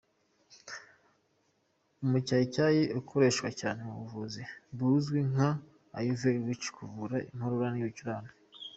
Umucyayicyayi ukoreshwa cyane mu buvuzi buzwi nka Ayurvedic mu kuvura inkorora n’ibicurane.